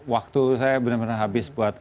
waktu saya benar benar habis buat